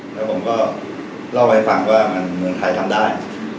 แล้วผมก็เล่าให้ฟังว่ามันเมืองไทยทำได้